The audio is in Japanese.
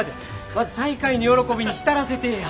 まず再会の喜びに浸らせてえや。